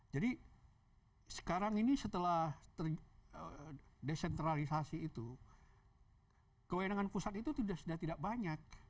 jadi sekarang ini setelah desentralisasi itu kewenangan pusat itu sudah tidak banyak